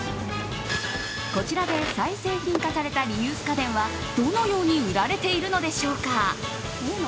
こちらで再製品化されたリユース家電はどのように売られているのでしょうか。